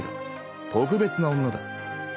特別な女だ。